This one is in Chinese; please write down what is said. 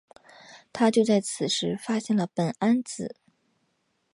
他就在此时发现了苯胺紫。